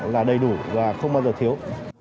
là đầy đủ và không bao giờ thiếu